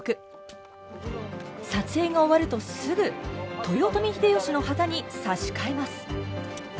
撮影が終わるとすぐ豊臣秀吉の旗に差し替えます。